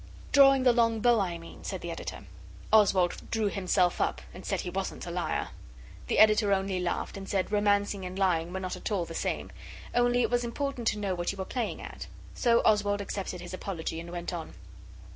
'Drawing the long bow, I mean,' said the Editor. Oswald drew himself up, and said he wasn't a liar. The Editor only laughed, and said romancing and lying were not at all the same; only it was important to know what you were playing at. So Oswald accepted his apology, and went on.